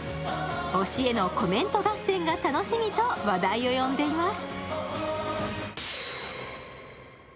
推しへのコメント合戦が楽しみと話題を呼んでいます。